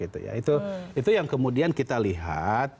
itu yang kemudian kita lihat